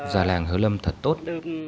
già làng hớ lâm thật tốt